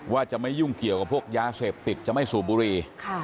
ว่าจะไม่ยุ่งเกี่ยวกับพวกยาเสพติดจะไม่สูบบุรี